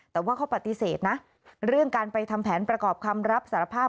แต่ว่าเขาปฏิเสธนะเรื่องการไปทำแผนประกอบคำรับสารภาพ